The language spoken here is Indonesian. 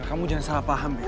bel kamu jangan salah paham bel